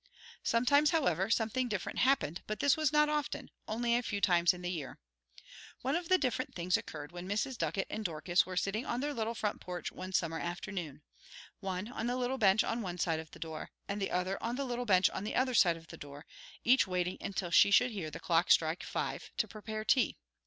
Sometimes, however, something different happened, but this was not often, only a few times in the year. One of the different things occurred when Mrs. Ducket and Dorcas were sitting on their little front porch one summer afternoon, one on the little bench on one side of the door, and the other on the little bench on the other side of the door, each waiting until she should hear the clock strike five, to prepare tea.